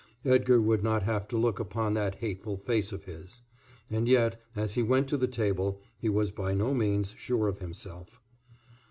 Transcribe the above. Edgar would not have to look upon that hateful face of his. And yet, as he went to the table, he was by no means sure of himself.